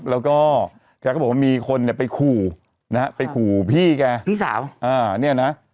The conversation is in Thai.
แล้วก็แกก็บอกว่ามีคนเนี่ยไปขู่นะฮะไปขู่พี่แกพี่สาวอ่าเนี่ยนะ